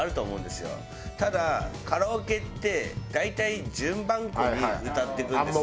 ただカラオケって大体順番こに歌っていくんですね。